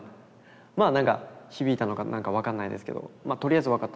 まあなんか響いたのかなんか分かんないですけど「とりあえず分かった。